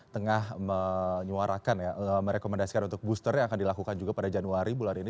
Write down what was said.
tengah menyuarakan ya merekomendasikan untuk booster yang akan dilakukan juga pada januari bulan ini